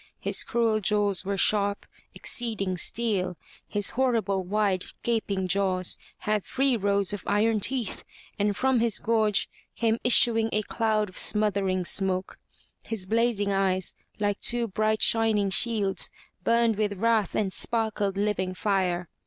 His cruel jaws were sharp, exceeding steel, his horrible wide gaping jaws had three rows of iron teeth, and from his gorge came issuing a cloud of smothering smoke. His blazing eyes, like two bright shining shields, burned with wrath and sparkled living fire.